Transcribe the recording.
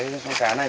tại vì cái con cá này